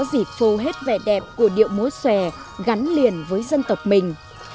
có dịp phô hết vẻ đẹp của điệu múa xòe gắn liền với dân tộc mình